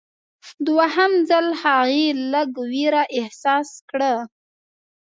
دوهم ځل هغې لږ ویره احساس کړه.